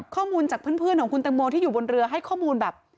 ข้อมูลจากเพื่อนของคุณตังโมที่อยู่บนเรือให้ข้อมูลแบบ